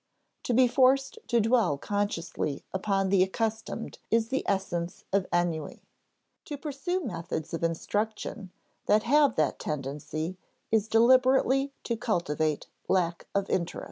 To be forced to dwell consciously upon the accustomed is the essence of ennui; to pursue methods of instruction that have that tendency is deliberately to cultivate lack of interest.